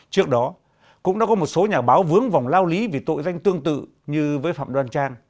trước đó cũng đã có một số nhà báo vướng vòng lao lý vì tội danh tương tự như với phạm đoan trang